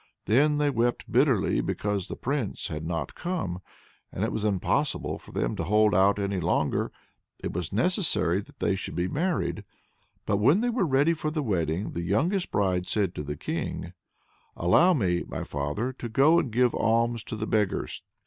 Then they wept bitterly because the Prince had not come, and it was impossible for them to hold out any longer, it was necessary that they should be married. But when they were ready for the wedding, the youngest bride said to the King: "Allow me, my father, to go and give alms to the beggars."